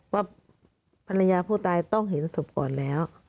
ว่าภรรยาผู้ตายต้องเห็นศพก่อนแล้ว